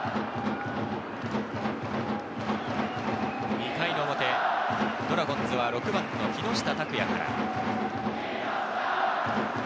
２回の表、ドラゴンズは、木下拓哉から。